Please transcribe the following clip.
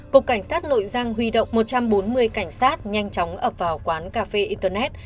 cục cảnh sát nội dung huy động một trăm bốn mươi cảnh sát nhanh chóng ập vào quán cà phê internet